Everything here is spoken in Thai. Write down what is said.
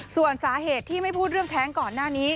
ส่วนสาเหตุที่ไม่พูดเรื่องแท้งก่อนหน้านี้